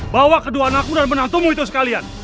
bawa kedua anakku dan menantumu itu sekalian